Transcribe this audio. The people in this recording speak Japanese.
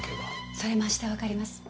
それも明日わかります。